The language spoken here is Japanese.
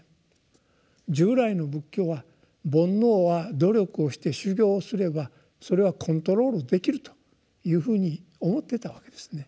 従来の仏教は「煩悩」は努力をして修行をすればそれはコントロールできるというふうに思っていたわけですね。